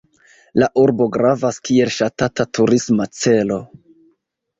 La urbo gravas kiel ŝatata turisma celo.